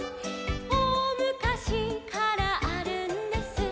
「おおむかしからあるんです」